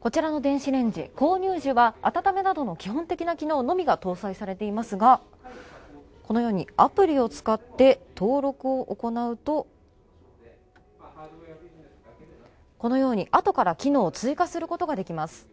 こちらの電子レンジ、購入時は、あたためなどの基本的な機能のみが搭載されていますが、このようにアプリを使って登録をおこなうと、このようにあとから機能を追加することができます。